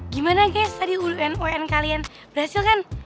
gimana guys tadi un kalian berhasil kan